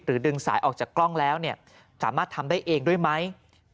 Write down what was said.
ดึงสายออกจากกล้องแล้วสามารถทำได้เองด้วยไหม